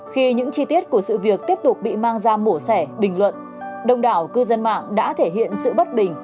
khi những chi tiết của sự việc tiếp tục bị mang ra mổ xẻ bình luận đông đảo cư dân mạng đã thể hiện sự bất bình